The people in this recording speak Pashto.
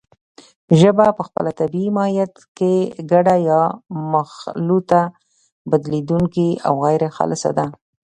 ژبه په خپل طبیعي ماهیت کې ګډه یا مخلوطه، بدلېدونکې او غیرخالصه ده